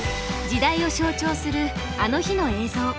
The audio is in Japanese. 時代を象徴する「あの日」の映像。